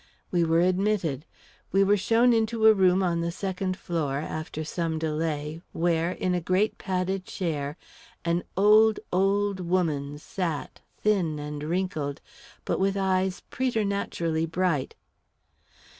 We were admitted. We were shown into a room on the second floor, after some delay, where, in a great padded chair, an old, old woman sat, thin and wrinkled, but with eyes preternaturally bright.